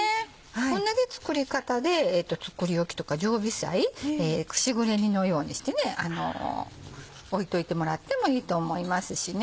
同じ作り方で作り置きとか常備菜しぐれ煮のようにして置いといてもらってもいいと思いますしね。